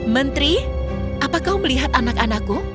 menteri apa kau melihat anak anakku